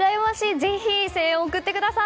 ぜひ、声援を送ってください。